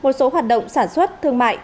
một số hoạt động sản xuất thương mại